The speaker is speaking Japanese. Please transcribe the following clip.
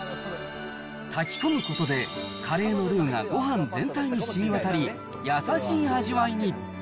炊き込むことで、カレーのルーがごはん全体にしみわたり、優しい味わいに。